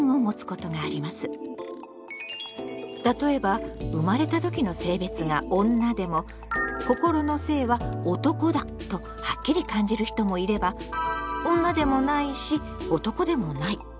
例えば生まれた時の性別が「女」でも「心の性」は「男だ」とはっきり感じる人もいれば「女でもないし男でもない」。